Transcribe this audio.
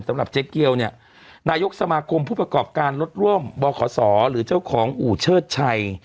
สำหรับเจ๊เกียวเนี่ยนายกสมาคมผู้ประกอบการรถร่วมบขศหรือเจ้าของอู่เชิดชัย